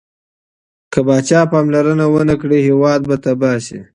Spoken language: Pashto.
که پاچا پاملرنه ونه کړي، هیواد به تباه سي.